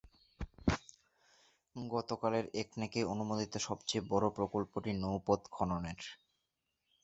গতকালের একনেকে অনুমোদিত সবচেয়ে বড় প্রকল্পটি নৌপথ খননের।